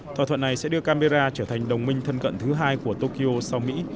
thỏa thuận này sẽ đưa camera trở thành đồng minh thân cận thứ hai của tokyo sau mỹ